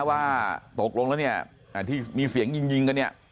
ว่าตกลงแล้วเนี่ยที่มีเสียงยิงกันเนี่ย